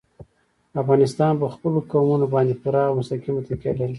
افغانستان په خپلو قومونه باندې پوره او مستقیمه تکیه لري.